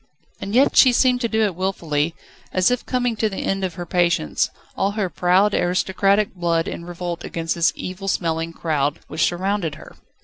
And yet she seemed to do it wilfully, as if coming to the end of her patience, all her proud, aristocratic blood in revolt against this evil smelling crowd which surrounded her.